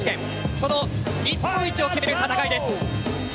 その日本一を決める戦いです！